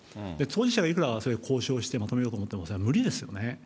当事者がいくら交渉しても、まとめようと思ってもそれは無理ですよね。